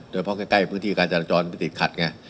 โดยเฉพาะใกล้พื้นที่การจัดจรไม่ติดขัดไง